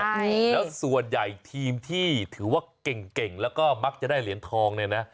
ใช่แล้วส่วนใหญ่ทีมที่ถือว่าเก่งเก่งแล้วก็มักจะได้เหรียญทองเนี่ยนะ